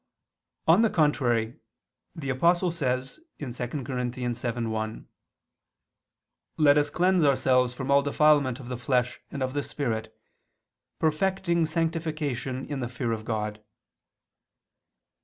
On the contrary, The Apostle says (2 Cor. 7:1): "Let us cleanse ourselves from all defilement of the flesh and of the spirit, perfecting sanctification in the fear of God."